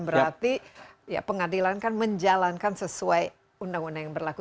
berarti ya pengadilan kan menjalankan sesuai undang undang yang berlaku